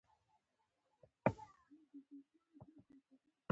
سندره د عاشق زړه بربنډوي